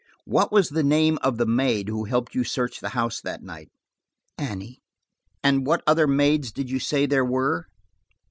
What was the name of the maid who helped you search the house that night? "Annie." "What other maids did you say there were?"